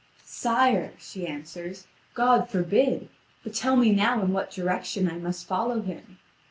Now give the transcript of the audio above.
"Sire," she answers, "God forbid. But tell me now in what direction I must follow him."